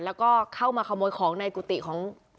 แล้วก็เข้ามาขโมยของในกุฏิของ